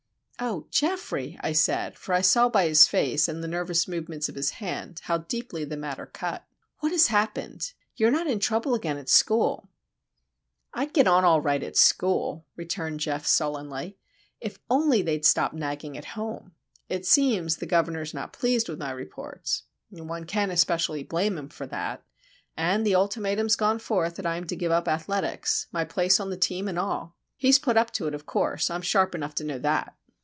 "Oh, Geoffrey!" I said; for I saw by his face and the nervous movements of his hand how deeply the matter cut. "What has happened? You're not in trouble again at school?" "I'd get on all right at school," returned Geof, sullenly, "if only they'd stop nagging at home. It seems the Governor's not pleased with my reports,—one can't especially blame him for that,—and the ultimatum's gone forth that I am to give up athletics,—my place on the team and all. He's put up to it, of course. I'm sharp enough to know that."